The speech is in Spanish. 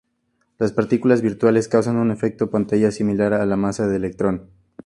Las partículas virtuales causan un efecto pantalla similar para la masa del electrón.